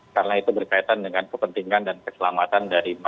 karena itu berkaitan dengan kepentingan dan keselamatan dari masyarakat